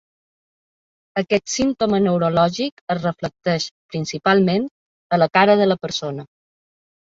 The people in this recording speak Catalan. Aquest símptoma neurològic es reflecteix, principalment, a la cara de la persona.